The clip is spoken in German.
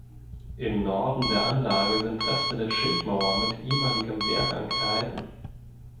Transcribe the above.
Im Norden der Anlage sind Reste der Schildmauer mit ehemaligem Wehrgang erhalten.